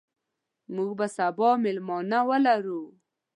موږ به سبا مېلمانه ولرو.